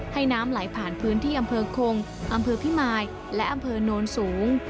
น้ำไหลผ่านพื้นที่อำเภอคงอำเภอพิมายและอำเภอโนนสูง